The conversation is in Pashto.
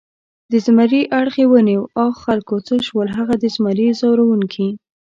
د زمري اړخ یې ونیو، آ خلکو څه شول هغه د زمري ځوروونکي؟